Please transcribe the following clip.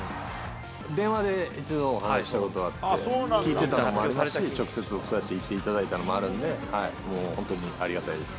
電話で一度お話したことがあって、聞いてたのもありますし、直接、そうやって言っていただいたのもあるんで、もう、本当にありがたいです。